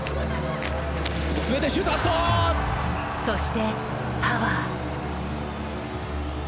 そしてパワー。